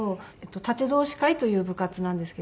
殺陣同志会という部活なんですけども。